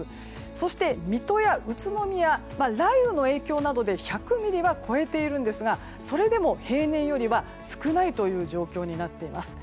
そして水戸や宇都宮雷雨の影響などで１００ミリは超えているんですがそれでも平年よりは少ない状況になっています。